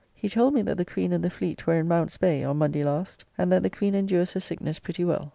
He told me that the Queen and the fleet were in Mount's Bay on Monday last, and that the Queen endures her sickness pretty well.